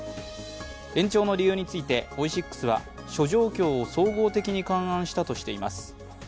延長の理由についてオイシックスは諸状況を総合的に勘案したとしています。